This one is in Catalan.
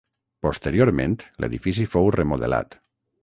Posteriorment l'edifici fou remodelat.